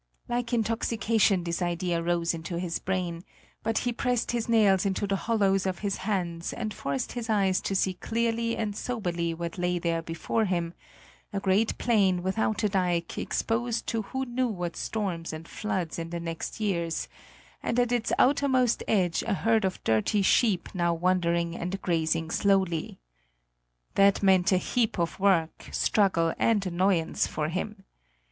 Like intoxication this idea rose into his brain; but he pressed his nails into the hollows of his hands and forced his eyes to see clearly and soberly what lay there before him: a great plain without a dike exposed to who knew what storms and floods in the next years, and at its outermost edge a herd of dirty sheep now wandering and grazing slowly. That meant a heap of work, struggle, and annoyance for him!